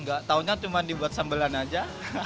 nggak tahunya cuma dibuat sambelan aja